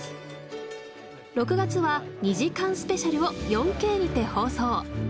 ６月は２時間スペシャルを４Ｋにて放送！